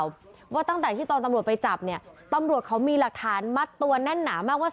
เพราะว่าตั้งแต่ที่ตอนตำรวจไปจับเนี่ยตำรวจเขามีหลักฐานมัดตัวแน่นหนามากว่า